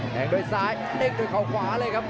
แทงด้วยซ้ายเด้งด้วยเขาขวาเลยครับ